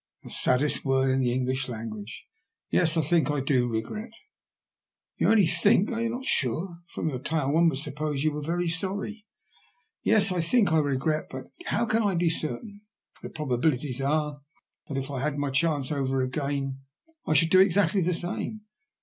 The saddest word in ihe English language. Tes, I think I do regret.'* " You only * think ?' Are you not sure ? From your tale one would suppose you were very sorry." Yes, I think I regret. But how can I be certain ? The probabilities are that if I had my chance over again I should do exactly the same.